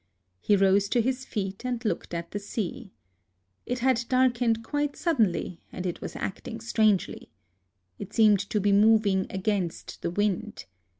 He rose to his feet, and looked at the sea. It had darkened quite suddenly, and it was acting strangely. It seemed to be moving against the wind.